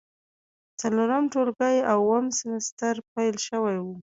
څلورم ټولګی او اووم سمستر پیل شوی و.